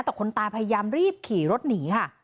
แต่คนตายพยายามรีบขี่รถหนีค่ะ